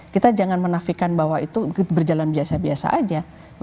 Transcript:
kita jangan menafikan bahwa itu berjalan biasa biasa aja